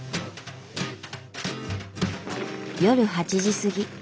夜８時過ぎ。